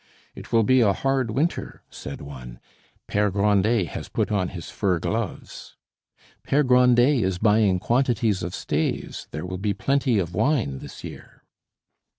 "It will be a hard winter," said one; "Pere Grandet has put on his fur gloves." "Pere Grandet is buying quantities of staves; there will be plenty of wine this year."